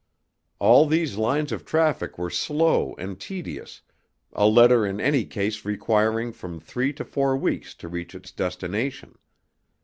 All these lines of traffic were slow and tedious, a letter in any case requiring from three to four weeks to reach its destination.